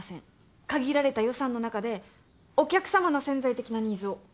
限られた予算の中でお客様の潜在的なニーズをつかみましょう。